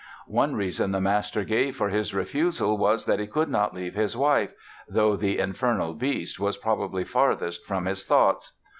One reason the master gave for his refusal was that "he could not leave his wife"—though the "Infernal Beast" was probably farthest from his thoughts!